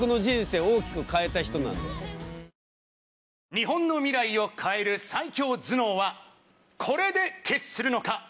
日本の未来を変える最強頭脳はこれで決するのか？